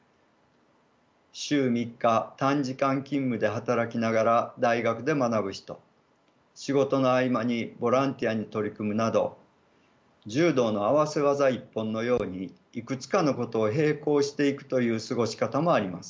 週３日短時間勤務で働きながら大学で学ぶ人仕事の合間にボランティアに取り組むなど柔道の合わせ技一本のようにいくつかのことを並行していくという過ごし方もあります。